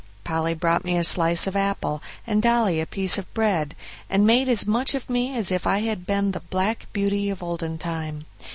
Polly brought me a slice of apple, and Dolly a piece of bread, and made as much of me as if I had been the "Black Beauty" of olden time.